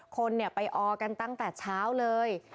คนไปออกันตั้งแต่เช้าเลย